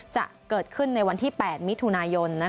จะเกิดขึ้นในวันที่๘มิถุนายน